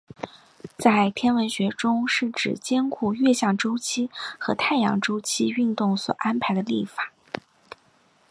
在天文学中是指兼顾月相周期和太阳周期运动所安排的历法。